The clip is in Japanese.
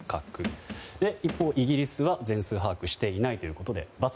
一方、イギリスは全数把握していないと。